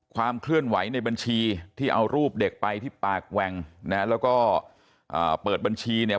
ความเคลื่อนไหวในบัญชีที่เอารูปเด็กไปที่ปากแหว่งนะแล้วก็เปิดบัญชีเนี่ย